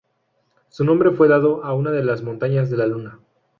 Su nombre fue dado a una de las montañas de la Luna.